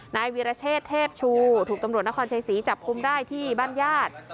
นายวิรเชษเทพชูถูกตำรวจนครชัยศรีจับกุมได้ที่บ้านญาติ